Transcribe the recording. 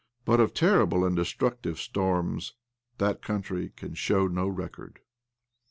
But of terrible and destructive storms that country can show no record.